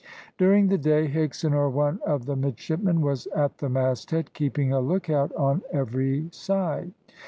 During the day Higson or one of the midshipmen was at the masthead, keeping a look out on every side.